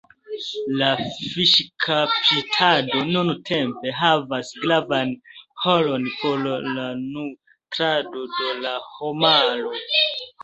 La fiŝkaptado nuntempe havas gravan rolon por la nutrado de la homaro.